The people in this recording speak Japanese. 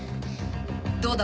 どうだ？